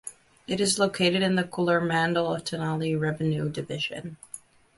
It is located in the Kollur mandal of Tenali revenue division.